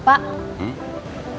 bapak kok keliatan uring uringan gitu